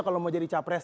kalau mau jadi capres